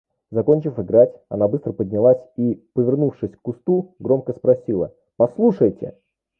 Закончив играть, она быстро поднялась и, повернувшись к кусту, громко спросила: – Послушайте!